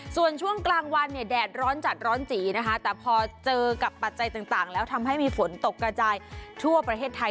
ส่วนช่วงกลางวันเนี่ยแดดร้อนจัดร้อนจีนะคะแต่พอเจอกับปัจจัยต่างแล้วทำให้มีฝนตกกระจายทั่วประเทศไทย